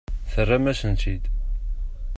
Terram-asent-t-id.